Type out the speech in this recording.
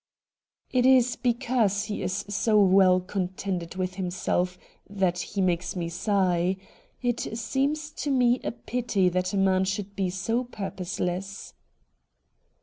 'It is because he is so well contented FIDELIA LOCKE 135 with himself that he makes me sigh. It seems to me a pity that a man should be so purposeless.'